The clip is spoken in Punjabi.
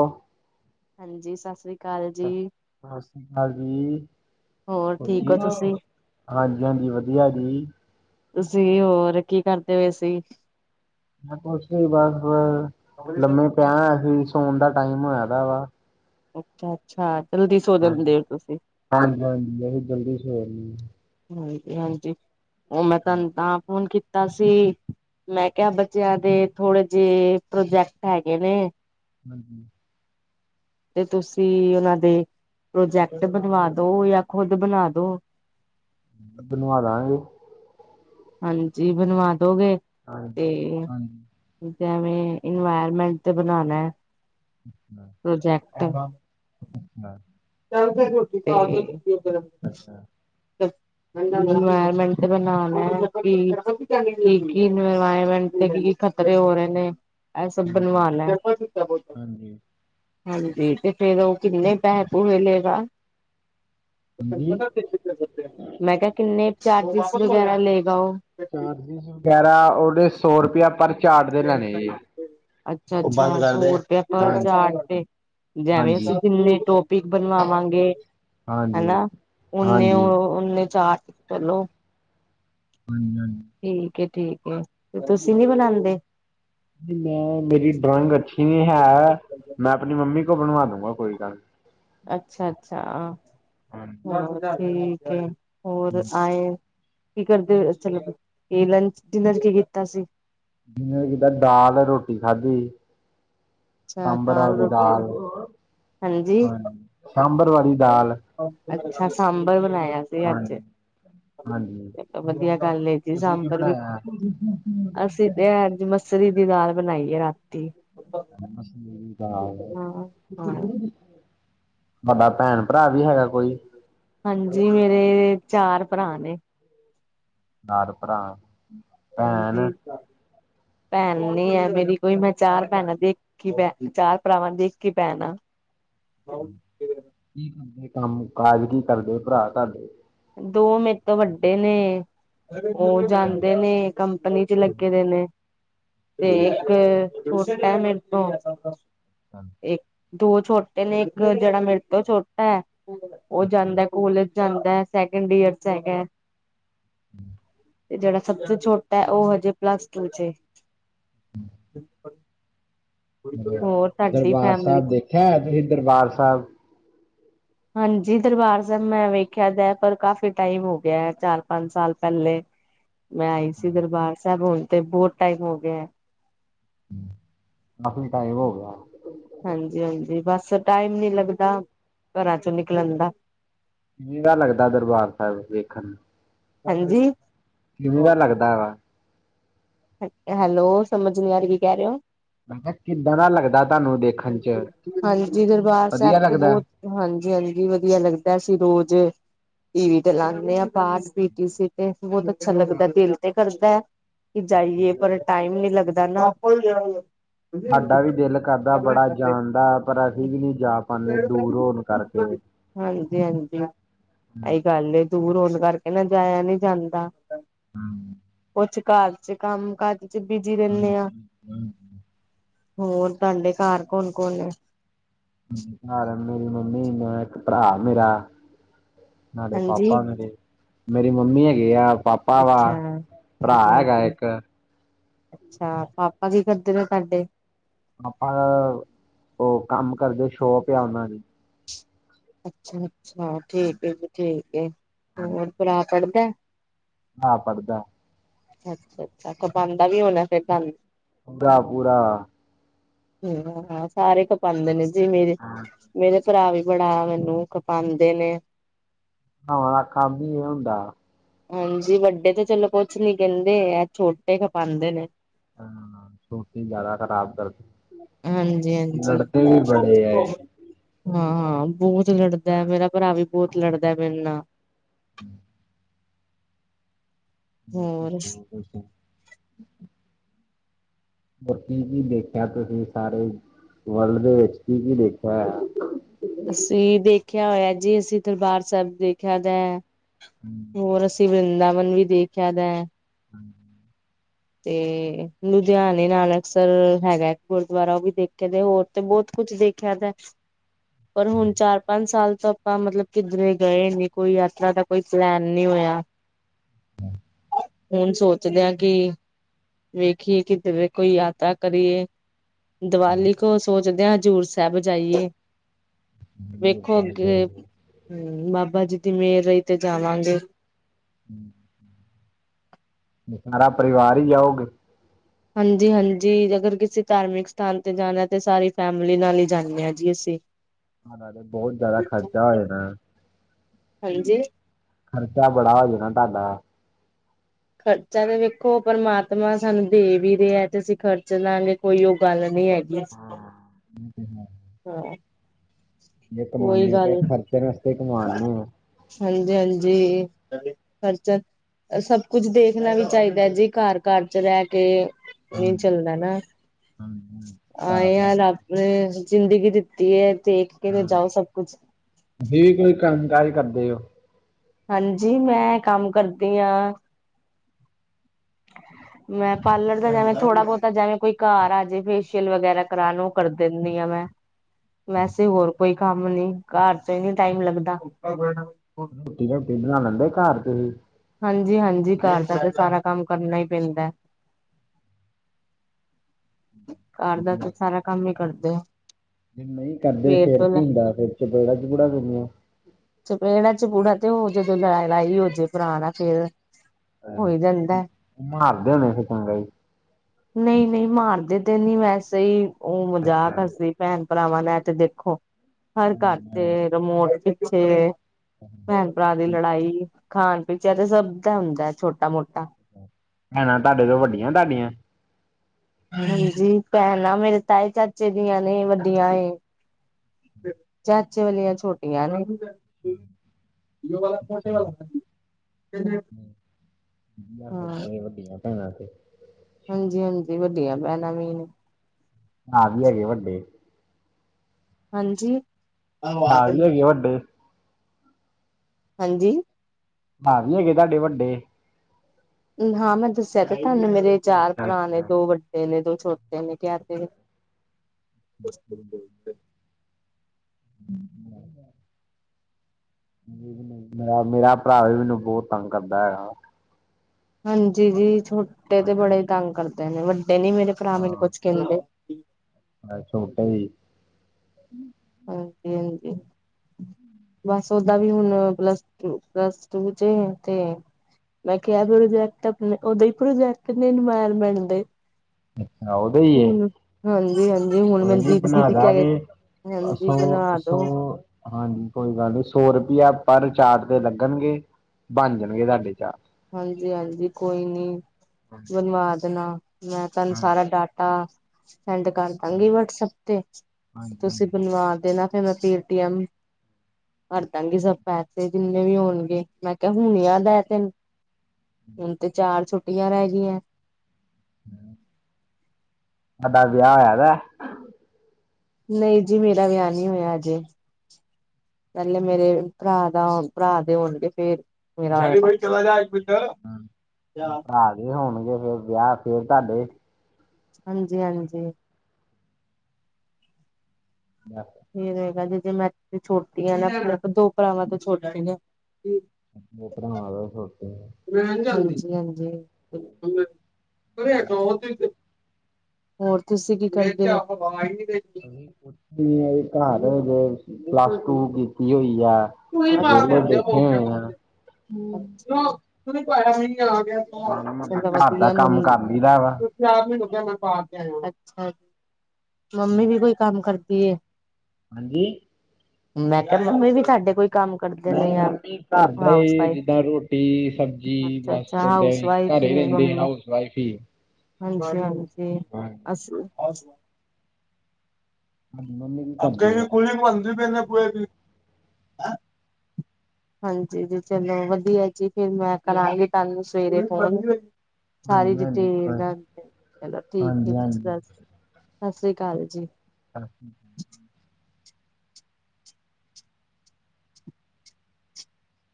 ਓ ਹਾਂਜੀ, ਸਸ੍ਰੀ ਸਸ-ਸਸ੍ਰੀ ਕਾਲ ਜੀ। ਹੋਰ ਠੀਕ ਜੀ? ਹੋ ਤੁਸੀਂ ਹਾਂਜੀ-ਹਾਂਜੀ ਵਧੀਆ ਜੀ। ਤੁਸੀਂ ਹੋਰ ਕੀ ਕਰਦੇ ਬੇ ਸੀ? ਮੈਂ ਕੁਛ ਨੀ ਬਸ ਲੰਮੇ ਪਿਆ ਹੋਇਆ ਸੀ ਸੋਨ ਦਾ ਟਾਈਮ ਹੋਇਆ ਦਾ ਵਾ। ਅਛਾ-ਅੱਛਾ, ਜਲਦੀ ਸੋ ਜਾਂਦੇ ਓ ਤੁਸੀਂ? ਹਾਂਜੀ- ਹਾਂਜੀ ਬਹੁਤ ਜਲਦੀ ਸੋ ਜਾਨੇ ਆ। ਹਾਂਜੀ-ਹਾਂਜੀ ਓ ਮੈਂ ਤੈਨ ਤਾਂ ਫੋਨ ਕਿ ਕਿਤਾ ਸੀ, ਮੈਂ ਕਿਆ ਬੱਚਿਆਂ ਦੇ ਥੋੜੇ ਜੇ ਪ੍ਰੋਜੈਕਟ ਹੈਗੇ ਨੇ ਹਾਂਜੀ। ਤੇ ਤੁਸੀਂ ਉਨਾਂ ਦੇ ਪ੍ਰੋਜੈਕਟ ਬਣਵਾ ਦੋ ਯਾ ਖੁਦ ਬਣਾ ਦੋ। ਬਨਵਾ ਦਾਂਂਗੇ। ਹਾਂਜੀ ਬਣਵਾ ਦੋਗੇ ਤੇ ਹਾਂਜੀ ਹਾਂਜੀ ਤੇ ਜੈਂਵੇਂ ਇਨਵਾਇਰਮੈਂਟ ਤੇ ਬਨਾਨੈ ਅੱਛਾ। ਪ੍ਰੋਜੈਕਟ। ਅੱਛਾ। [inaudible] ਅੱਛਾ ਤੇ ਇਨਵਾਇਰਮੈਂਟ ਤੇ ਬਣਾਨੈ ਕਿ ਕੀ-ਕੀ ਇਨਵਾਇਰਮੈਂਟ ਨੇ ਕੀ ਖ਼ਤਰੇ ਹੋ ਰਏ ਨੇ, ਐ ਸਭ ਹਾਂਜੀ ਬਨਵਾਨੈ। ਹਾਂਜੀ ਹਾਂਜੀ, ਤੇ ਫਿਰ ਓ ਕਿੰਨੇ ਪੈਹੇ ਪੂਹੈ ਲੇਗਾ? ਹਾਂਜੀ ਮੈਂ ਕਿਆ ਕਿੰਨੇ ਚਾਰਜਿਸ ਵਗੈਰਾ ਲਏਗਾ ਓ? ਚਾਰਜਿਸ ਵਗੈਰਾ ਓਦੇ ਸੌ ਰੁਪਇਆ ਪਰ ਚਾਟ ਦੇ [unintelligible] ਲੈਣੇ ਅੱਛਾ- ਜੀ ਅੱਛਾ। ਓ ਬੰਦ ਕਰ ਦੇ। ਪੇਪਰ ਹਾਂਜੀ ਚਾਰਟ ਤੇ, ਜੈਵੇਂ ਹਾਂਜੀ ਅਸੀਂ ਜਿੰਨੇ ਟੋਪਿਕ ਬਣਵਾਵਾਂਗੇ ਹਾਂਜੀ ਹੈਨਾ, ਹਾਂਜੀ ਉਨੇ ਓ ਹਾਂਜੀ ਉਨੇ ਚਾਰਟ ਲੈਲੋ। ਹਾਂਜੀ-ਹਾਂਜੀ। ਠੀਕ ਏ-ਠੀਕ ਏ, ਤੇ ਤੁਸੀਂ ਨੀ ਬਣਾਂਦੇ? ਨੀ -ਨੀ ਮੈਂ ਮੇਰੀ ਡਰਾਇੰਗ ਅੱਛੀ ਨੀ ਹੈ, ਮੈਂ ਅਪਣੀ ਮੰਮੀ ਕੋ ਬਣਵਾ ਦੂੰਗਾ ਕੋਈ ਗੱਲ ਨੀ। ਅੱਛਾ- ਅੱਛਾ ਆ। ਹੋਰ ਠੀਕ ਏ, ਹੋਰ ਆਏ ਕੀ ਕਰਦੇ ਪੇ ਓ ਚਲੋ ਏ ਲੰਚ, ਡਿਨਰ ਕੀ ਕੀਤਾ ਸੀ? ਡਿਨਰ ਕਿਤਾ ਦਾਲ ਰੋਟੀ ਖਾਦੀ ਸੀ ਅੱਛਾ ਸਾਂਬਰ ਆਲੀ ਰੋਟੀ ਦਾਲ, ਹਾਂਜੀ ਸਾਂਬਰ ਵਾਲੀ ਦਾਲ। ਅੱਛਾ ਸਾਂਬਰ ਬਣਾਇਆ ਸੀ ਅੱਜ। ਹਾਂਜੀ ਹਾਂਜੀ ਏ ਤਾਂ ਵਦੀਆ ਗੱਲ ਏ ਜੀ, ਤੁਸੀਂ ਕੀ ਸਾਂਬਰ ਵੀ ਬਣਾਇਆ ਅਸੀਂ ਤੇ ਅਜ ਮਸਰੀ ਦੀ ਦਾਲ ਬਨਾਈ ਏ ਰਾਤੀ। ਮਸਲੀ ਦੀ ਦਾਲ। ਹਾਂ ਹਾਂ ਵਡਾ ਭੇਣ-ਭਰਾ ਵੀ ਹੈਗਾ ਕੋਈ? ਹਾਂਜੀ ਮੇਰੇ ਚਾਰ ਭਰਾ ਨੇ। ਚਾਰ ਭਰਾ। ਭੈਣ ਹਾਂਜੀ, ਭੈਨ ਨੀ ਐ ਮੇਰੀ ਕੋਈ ਮੈਂ ਚਾਰ ਭੈਨਾ ਦੀ ਇਕ ਕਿ ਮੈਂ ਚਾਰ ਭਰਾਵਾਂ ਦੀ ਇਕੀ ਭੈਣ ਆ ਕੀ ਕੰਮ, ਕੰਮ ਕਾਰ ਕੀ ਕਰਦੇ ਭਰਾ ਤੁਆਡੇ? ਦੋ ਮੈ ਤੋਂ ਵੱਡੇ ਨੇ ਉਹ ਅੱਛਾ, ਜਾਂਦੇ ਨੇ ਕੰਪਨੀ ਚ ਲੱਗੇ ਦੇ ਨੇ, ਤੇ ਇਕ ਛੋਟਾ ਏ ਮੇਰੇ ਤੋਂ ਏਕ ਦੋ ਛੋਟੇ ਨੇ ਇਕ ਜੇਹੜਾ ਮੇਰੇ ਤੋਂ ਛੋਟਾ ਐ ਓ ਅੱਛਾ, ਅੱਛਾ। ਜਾਂਦਾ ਏ ਕੋਲਜ ਜਾਂਦਾ ਐ ਸੈਕਿੰਡ ਈਅਰ ਚ ਹੈਗੇ [unintelligible] ਤੇ ਜੇਹੜਾ ਸਭ ਤੋਂ ਛੋਟਾ ਏ ਉਹ ਹਜੇ ਪਲੱਸ ਟੂ ਚੇ [inaudible] ਹੋਰ ਤੁਹਾਡੀ ਦਰਬਾਰ ਫੈਮਿਲੀ ਸਾਬ ਦੇਖਿਆ ਹੋਇਆ ਤੁਸੀਂ, ਦਰਬਾਰ ਸਾਬ ਹਾਂਜੀ ਦਰਬਾਰ ਸਾਬ ਮੈਂ ਵੇਖਿਆ ਦਾ ਪਰ ਕਾਫ਼ੀ ਟਾਈਮ ਹੋ ਗਿਆ ਏ ਚਾਰ ਪੰਜ ਸਾਲ ਪੈਹਲੇ [inaudible] ਮੈਂ ਆਈ ਸੀ ਦਰਬਾਰ ਸਾਬ ਹੁਣ ਤੇ ਬੋਤ ਟਾਈਮ ਹੋ ਗਿਆ ਐ ਹੂੰ, ਕਾਫ਼ੀ ਟਾਈਮ ਹੋ ਗਿਆ ਹਾਂਜੀ, ਹਾਂਜੀ ਬਸ ਟਾਈਮ ਨੀ ਲੱਗਦਾ ਘਰਾਂ ਚੋਂ ਨਿਕਲਨ ਦਾ ਕਿਵੇਂ ਦਾ ਲੱਗਦਾ ਦਰਬਾਰ ਸਾਹਿਬ ਵੇਖਣ ਨੂੰ? ਹਾਂਜੀ ਕਿਵੇਂ ਦਾ ਲੱਗਦਾ ਵਾ? ਹੈਲੋ, ਸਮਝ ਨੀ ਆਰੀ ਕੀ ਕਹਿ ਰਏ ਓ? ਮੈਂ ਕਿਹਾ ਕਿੱਦਾਂ ਦਾ ਲੱਗਦਾ ਤੁਹਾਨੂੰ ਦੇਖਣ ਚ ਹਾਂਜੀ ਜੀ ਦਰਬਾਰ ਸਾਹਬ ਵਧੀਆ ਤੇ ਲੱਗਦਾ ਬੋਤ ਹਾਂਜੀ, ਹਾਂਜੀ ਵਧੀਆ ਲੱਗਦਾ ਅਸੀਂ ਰੋਜ਼ ਟੀ ਵੀ ਤੇ ਲਾਨੇ ਆ। ਪਾਸ ਪੀ ਟੀ ਸੀ ਤੇ ਬਹੁਤ ਅੱਛਾ ਲੱਗਦਾ ਦਿਲ ਤੇ ਕਰਦਾ ਏ ਕਿ ਜਾਈਏ ਪਰ ਟਾਈਮ ਨੀ ਲੱਗਦਾ ਨਾ ਸਾਡਾ ਵੀ ਦਿਲ ਕਰਦਾ ਬੜਾ ਜਾਣ ਦਾ ਪਰ ਅਸੀਂ ਵੀ ਨੀ ਜਾ ਪਾਂਦੇ ਦੂਰ ਹੋਣ ਕਰਕੇ ਹਾਂਜੀ, ਹਾਂਜੀ ਏਹੀ ਗੱਲ ਏ ਦੂਰ ਹੋਣ ਕਰਕੇ ਨਾ ਜਾਇਆ ਨੀ ਜਾਂਦਾ। [unintelligible] ਅੱਛਾ ਘਰ ਚ ਕੰਮ ਕਾਜ ਚ ਬਿਜੀ ਰਹਿਣੇ ਆ ਹੋਰ ਤਾਂਡੇ ਘਰ ਕੌਣ ਕੌਣ ਐ? [unintelligible] ਮੇਰੀ ਮੰਮੀ ਮੈਂ ਇੱਕ ਭਰਾ ਮੇਰਾ ਨਾਲੇ ਹਾਂਜੀ ਪਾਪਾ ਮੇਰੇ, ਮੇਰੇ ਮੰਮੀ ਹੈਗੇ ਆ ਪਾਪ ਪਾ ਅੱਛਾ। ਭਰਾ ਹੈਗਾ ਹਾਂਜੀ-ਹਾਂਜੀ ਇਕ ਅੱਛਾ, ਪਾਪਾ ਕੀ ਕਰਦੇ ਨੇ ਤਹਾਡੇ? ਪਾਪਾ ਉਹ ਕੰਮ ਕਰਦੇ ਸ਼ੋਪ ਆ ਉਨਾਂ ਦੀ ਅੱਛਾ, ਅੱਛਾ ਠੀਕ ਏ ਜੀ ਠੀਕ ਏ ਹੋਰ ਭਰਾ ਪੜਦੈ ਹਾਂ ਪੜਦੈ ਅੱਛਾ, ਅੱਛਾ ਖਪਾਂਦਾ ਵੀ ਹੋਣਾ ਫੇਰ ਤਹਾਨੂੰ ਪੂਰਾ, ਪੂਰਾ ਹੂੰ, ਹਾਂ ਸਾਰੇ ਖਪਾਦੇ ਨੇ ਜੀ ਮੇਰੇ ਮੇਰੇ ਭਰਾ ਵੀ ਬੜਾ ਮੈਨੂੰ ਖਪਾਂਦੇ ਨੇ ਉਨਾ ਦਾ ਕੰਮ ਹੀ ਏਹ ਹੁੰਦਾ ਹਾਂਜੀ, ਵੱਡੇ ਤੇ ਚਲੋ ਕੁਛ ਨੀ ਕਹਿਦੇ ਐ ਛੋਟੇ ਖਪਾਂਂਦੇ ਨੇ ਹਾਂ ਛੋਟੀ ਜਿਆਦਾ ਖਰਾਬ ਕਰਦੇ ਹਾਂਜੀ-ਹਾਂਜੀ। ਇਹ ਹਾਂ ਬਹੁਤ ਲੜਦਾ ਮੇਰਾ ਭਰਾ ਵੀ ਬਹੁਤ ਲੜਦਾ ਮੇਰੇ ਨਾਲ [inaudible] ਹੋਰ। [unintelligible] ਹੋ ਕੀ- ਕੀ ਦੇਖਿਆ ਤੁਸੀਂ ਸਾਰੇ ਵਰਲਡ ਦੇ ਵਿੱਚ ਕੀ- ਕੀ ਦੇਖਿਆ? ਅਸੀਂ ਦੇਖਿਆ ਹੋਇਆ ਜੀ, ਅਸੀਂ ਦਰਬਾਰ ਸਾਹਿਬ ਦੇਖਿਆ ਦਾ ਹੈ। [inaudible] ਹੋਰ ਅਸੀਂ ਵਰਿੰਦਾਵਨ ਵੀ ਦੇਖਿਆ ਦਾ। [inaudible] ਤੇ ਲੁਧਿਆਣੇ ਨਾਨਕਸਰ ਹੈਗਾ ਗੁਰਦੁਆਰਾ, ਉਹ ਵੀ ਦੇਖਿਆ ਤੇ ਹੋਰ। ਤੇ ਬਹੁਤ ਕੁਛ ਦੇਖਿਆ ਦੈ। [inaudible] ਪਰ ਹੁਣ ਚਾਰ ਪੰਜ ਸਾਲ ਤੋਂ ਆਪਾਂ ਮਤਲਬ ਕਿੱਧਰੇ ਗਏ ਨੀ, ਕੋਈ ਯਾਤਰਾ ਦਾ ਕੋਈ ਪਲੈਨ ਨਹੀਂ ਹੋਇਆ। [inaudible] ਹੁਣ ਸੋਚਦੇ ਹਾਂ ਕਿ ਵੇਖੀਏ ਕਿਤੇ ਕੋਈ ਯਾਤਰਾ ਕਰੀਏ। ਦੀਵਾਲੀ ਕੋਲ ਸੋਚਦੇ ਹਾਂ ਹਜ਼ੂਰ ਸਾਹਿਬ ਜਾਈਏ। ਵੇਖੋ ਅੱਗੇ ਹਮ ਬਾਬਾ ਜੀ ਦੀ ਮੇਹਰ ਰਹੀ ਤੇ ਜਾਵਾਂਗੇ। [inaudible] ਸਾਰਾ ਪਰਿਵਾਰ ਹੀ ਜਾਓਗੇ? ਹਾਂਜੀ -ਹਾਂਜੀ ਅਗਰ ਕਿਸੇ ਧਾਰਮਿਕ ਸਥਾਨ ਤੇ ਜਾਣਾ ਤੇ ਸਾਰੀ ਫੈਮਲੀ ਨਾਲ ਹੀ ਜਾਂਦੇ ਹਾਂ ਜੀ ਅਸੀਂ। ਹਨਾ ਬਹੁਤ ਜਿਆਦਾ ਖਰਚਾ ਹੋ ਜਾਣਾ। ਹਾਂਜੀ। ਖਰਚਾ ਬੜਾ ਹੋ ਜਾਣਾ ਤੁਹਾਡਾ। ਖਰਚਾ ਤੇ ਵੇਖੋ ਪਰਮਾਤਮਾ ਸਾਨੂੰ ਦੇ ਵੀ ਰਿਹਾ ਹੈ, ਤੇ ਅਸੀਂ ਖਰਚ ਲਾਂਗੇ। ਕੋਈ ਉਹ ਗੱਲ ਨਹੀਂ ਹੈਗੀ। [inaudible] ਹਾਂ। ਜੇ ਕੋਈ ਕਮਾਨੇ ਪੇ ਗੱਲ ਖਰਚੇ ਵਾਸਤੇ ਕਮਾਨੇ ਆ। ਹਾਂਜੀ- ਹਾਂਜੀ। ਸਭ ਕੁਛ ਦੇਖਣਾ ਵੀ ਚਾਹੀਦਾ ਹੈ ਜੀ, ਘਰ- ਘਰ ਚ ਰਹਿ ਕੇ। ਹਾਂ ਨਹੀਂ ਚੱਲਦਾ ਨਾ, ਹਾਂ, ਹਾਂ, ਆਏ ਘਰ ਯਾ ਰਹਿ ਕੇ। ਰਬ ਨੇ ਜ਼ਿੰਦਗੀ ਦਿੱਤੀ। ਏ ਤੇ ਇੱਕ ਕੇ ਹਾਂ, ਜਾਓ ਸਭ ਕੁਛ। ਤੁਸੀਂ ਜ ਵੀ ਕੋਈ ਕੰਮ ਕਾਰਜ ਕਰਦੇ ਹੋ? ਹਾਂਜੀ ਮੈਂ ਕੰਮ ਕਰਦੀ ਹਾਂ। [inaudible] ਮੈਂ ਪਾਰਲਰ ਦਾ ਜਿਵੇਂ ਥੋੜਾ ਬਹੁਤਾ, ਜਿਵੇਂ ਕੋਈ ਘਰ ਆ ਜਾਵੇ ਫੇਸ਼ੀਅਲ ਵਗੈਰਾ ਕਰਾਉਣ, ਉਹ ਕਰ ਦਿੰਦੀ ਆ ਮੈਂ। ਵੈਸੇ ਹੋਰ ਕੋਈ ਕੰਮ ਨੀ, ਘਰ ਚ ਹੀ ਨੀ ਟਾਈਮ ਲੱਗਦਾ। ਰੋਟੀ- ਰੋਟੀ ਬਣਾ ਲੈਂਦੇ ਘਰ ਚ ਹੀ। ਹਾਂਜੀ- ਹਾਂਜੀ ਘਰ ਦਾ ਤੇ ਸਾਰਾ ਕੰਮ ਕਰਨਾ ਹੀ ਪੈਂਦਾ। ਘਰ ਦਾ ਤਾਂ ਸਾਰਾ ਕੰਮ ਹੀ ਕਰਦੇ ਆ। ਜ ਨਹੀਂ ਕਰਦੇ ਸਵੇਰ ਫਿਰ ਤੋਂ ਲੈ ਕੀ ਹੁੰਦਾ, ਫਿਰ ਚਬੇੜਾ ਚਬੂੜਾ ਪੈਂਦੀਆਂ। ਚਪੇੜਾ ਚਪੂੜਾ ਤੇ ਉਹ ਜਦੋਂ ਲੜਾਈ- ਲੜਾਈ ਹੋਜੇ ਭਰਾ ਨਾਲ ਆ ਫੇਰ। ਅ ਹੋਈ ਜਾਂਦਾ ਹੈ। ਮਾਰਦੇ ਹੋਣੇ ਫੇਰ ਚੰਗਾ ਹੀ। ਨਹੀਂ- ਨਹੀਂ ਮਾਰਦੇ ਤੇ ਨਹੀਂ ਵੈਸੇ ਹੀ ਉਹ ਮਜ਼ਾਕ ਹਸਦੀ ਭੈਣ। ਭਰਾਵਾਂ ਨੇ ਤੇ ਦੇਖੋ ਹਰ ਘਰ ਤੇ ਰਿਮੋਟ ਪਿੱਛੇ ਪੈਣ ਪਰਾ ਦੀ ਲੜਾਈ ਖਾਣ ਪੀਛੇ ਤੇ ਸਭ ਦਾ ਹੁੰਦਾ ਛੋਟਾ ਮੋਟਾ ਪੈਣਾ ਤੁਹਾਡੇ ਤੋਂ ਵੱਡੀਆਂ ਤੁਹਾਡੀਆ ਹਾਂਜੀ, ਪੈਣਾਂ ਮੇਰੇ ਤਾਏ ਚਾਚੇ ਦੀਆਂ ਨੇ ਵੱਡੀਆਂ ਏ ਚਾਚੇ ਵਾਲੀਆਂ ਛੋਟੀਆਂ ਨੇ [unintelligible] ਹਾਂ [unintelligible] ਹੈਨਾ ਤੇ ਹਾਂਜੀ- ਹਾਂਜੀ। ਵੱਡੀਆਂ ਪੈਣਾਂ ਵੀ ਨੇ ਹਾਂ ਵੀ ਹੈਗੇ ਵੱਡੇ ਹਾਂਜੀ। ਪਰਾ ਵੀ ਹਾਂਜੀ ਹੈਗੀ ਵੱਡੇ ਹਾਂਜੀ। ਪਰਾ ਵੀ ਹੈਗੇ ਤੁਹਾਡੇ ਵੱਡੇ ਹਾਂ ਮੈਂ ਦੱਸਿਆ ਤੇ ਤੁਹਾਨੂੰ ਮੇਰੇ ਚਾਰ ਅੱਛਾ ਭਰਾ ਨੇ, ਅੱਛਾ ਦੋ ਵੱਡੇ ਨੇ, ਦੋ ਛੋਟੇ ਨੇ ਕਿਆ ਤੇ ਵੇ ਹੂ ਹੂ ਨਹੀਂ, ਮੇ ਮੇਰਾ ਪਰਾ ਵੀ ਮੈਨੂੰ ਬਹੁਤ ਤੰਗ ਕਰਦਾ ਆ ਹਾਂਜੀ ਜੀ ਛੋਟੇ ਤੇ ਬੜਾ ਈ ਤੰਗ ਕਰਦੇ ਨੇ ਵੱਡੇ ਨੀ ਮੇਰੇ ਪਰਾ ਮੈਨੂੰ ਕੁਛ ਕਹਿੰਦੇ ਮੈ ਛੋਟੇ ਜਿ ਹਾਂਜੀ ਹਾਂਜੀ [inaudible] ਬਸ ਓਦਾਂ ਵੀ ਹੁਣ ਪਲੱਸ ਟੂ ਪਲੱਸ ਟੂ ਇਚ ਤੇ ਮੈਂ ਕਿਹਾ ਰਿਜੈਕਟ ਆਪਨੇ ਉਦੋਂ ਹੀ ਪ੍ਰੋਜੈਕਟ ਨੇ ਇਨਵਾਅਰਮੈਂਟ ਦੇ ਅੱਛਾ ਉਹਦੇ ਹੀ ਹੈ ਹੁਣ, ਹਾਂਜੀ-ਹਾਂਜੀ ਹੁਣ ਕੋਈ ਮੈਨ ਨੀ ਬਣਾ ਦੀਦੀ-ਦੀਦੀ ਕਹਿ ਕੇ ਦਾਂਗੇ ਹਾਂਜੀ, ਸੌ ਬਨਾ ਸੌ ਦੋ ਹਾਂਜੀ, ਕੋਈ ਗੱਲ ਨਹੀਂ, ਸੌ ਰੁਪਇਆ ਪਰ ਚਾਰਟ ਦੇ ਲੱਗਣਗੇ ਬਨ ਜਾਣਗੇ ਤੁਹਾਡੇ ਚਾਰਟ ਹਾਂਜੀ- ਹਾਂਜੀ। ਕੋਈ ਨੀ, ਬਨਵਾ ਦੇਣਾ ਮੈਂ ਤੁਹਾਨੂੰ ਹਾਂਜੀ ਸਾਰਾ ਡਾਟਾ, ਸੈਂਡ ਕਰ ਦਾੰਗੀ ਵਟਸਪ ਤੇ, ਤੁਸੀਂ ਹਾਂਜੀ ਬਨਵਾ ਦੇਣਾ ਫਿਰ ਮੈਂ ਪੇ ਟੀ ਐਮ ਕਰਦਾਂਗੇ ਸਭ ਪੈਸੇ ਜਿੰਨੇ ਵੀ ਹੋਨਗੇ, ਮੈਂ ਕਿਹਾ ਹੁਨ ਯਾਦ ਆਯਾ ਤੈਨੂੰ ਹੁਨ ਤੇ ਚਾਰ ਛੁੱਟੀਆਂ ਰਹਿ ਗਈਆਂ ਤੁਹਾਡਾ ਵਿਆਹ ਹੋਇਆ ਦਾ ਨਹੀਂ ਜੀ ਮੇਰਾ ਵਿਆਹ ਨਹੀ ਹੋਇਆ ਅਜੇ ਪਹਿਲੇ ਮੇਰੇ, ਪਰਾ ਦਾ ਪਰਾ ਦੇ ਹੋਨਗੇ ਫੇਰ ਮੇਰਾ ਹੂ, ਪਰਾ ਦੇ ਹੋਨਗੇ, ਫੇਰ ਵਿਆਹ ਫੇਰ ਤੁਹਾਡੇ ਹਾਂਜੀ- ਹਾਂਜੀ। [unintelligible] ਫੇਰ ਹੋਏਗਾ ਜੇ ਜੀ ਮੈਂ ਛੋਟੀ ਹਾਂ ਨਾ, ਆਪਨੇ ਆਪ ਦੋ ਭਰਾਵਾਂ ਤੋਂ ਛੋਟੀ ਹਾਂ ਉਹ ਪਰਾਵਾਂ ਤੋ ਛੋਟੀ ਏ [unintelligible] ਹੋਰ ਤੁਸੀਂ ਕੀ ਕਰਦੇ ਓ ਮੇਰੇ ਪਰਾ ਨੇ ਪਲੱਸ ਟੂ ਕੀਤੀ ਹੋਈ ਆ [unintelligible] ਵਿਹਲੇ ਬੈਠੇ ਹੋਏ ਆ ਚਲੋ ਵਦੀਆ ਮਾੜਾ ਮੋਟਾ ਘਰ ਦਾ ਕੰਮ ਕਰ ਲਈਦਾ ਵਾ ਅਛਾ, ਮੰਮੀ ਵੀ ਕੋਈ ਕੰਮ ਕਰਦੀ ਏ ਹਾਂਜੀ। ਮੈਂ ਕਿਹਾ, ਮੰਮੀ ਵੀ ਤਾਡੇ ਕੋਈ ਕੰਮ ਕਰਦੇ ਨੇ ਨਹੀਂ ਯਾਰ ਮੰਮੀ ਘਰਦਾ ਹਾਊਸ ਹੀ ਵਾਈਫ ਜਿੱਦਾਂ ਰੋਟੀ, ਸਬਜ਼ੀ ਅੱਛਾ ਬਸ ਅੱਛਾ ਓਦਾਂ ਹਾਊਸ ਹੀ ਵਾਈਫ ਘਰੇ ਹੀ ਨੇ ਰੈਂਦੇ ਮੰਮੀ ਹਾਊਸ ਵਾਈਫ ਹੀ ਹਾਂਜੀ- ਹਾਂਜੀ। ਹਾਂਜੀ ਅਸ ਹਾਂਜੀ, ਮੰਮੀ ਜੀ ਅੱਗੇ ਵੀ ਕੁਲੀਗ ਬਣਦੀ, ਪਹਿਲੇ ਪੂਰੇ ਦੀ [inaudible] ਹਾਂਜੀ ਜੀ ਚਲੇ, ਵਧੀਆ ਜੀ ਫੇਰ ਮੈਂ ਕਰਾਂਗੀ ਤਾਨੂੰ ਸਵੇਰੇ ਫੋਨ ਸਾਰੀ ਹਾਂਜੀ ਹਾਂਜੀ ਡਿਟੇਲ ਕੋਈ- ਅ [unintelligible] ਚਲੋ ਠੀਕ ਐ ਹਾਂਜੀ ਜੀ, ਹਾਂਜੀ ਸਸ੍ਰੀ ਅਕਾਲ ਜੀ ਹਾਂਜੀ